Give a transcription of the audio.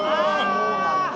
そうなんだ。